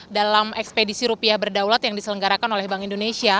dalam ekspedisi rupiah berdaulat yang diselenggarakan oleh bank indonesia